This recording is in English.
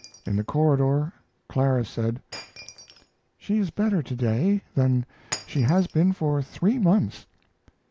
In the corridor Clara said: "She is better to day than she has been for three months."